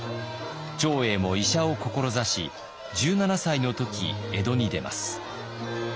長英も医者を志し１７歳の時江戸に出ます。